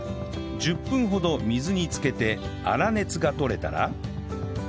１０分ほど水につけて粗熱がとれたら